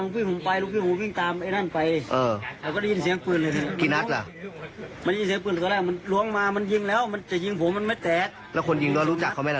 ปืนสามสองนัดแล้วก็นัดหนึ่งที่แตก